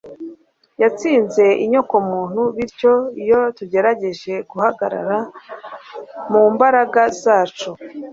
yatsinze inyokomuntu, bityo iyo tugerageje guhagarara mu mbaraga zacu,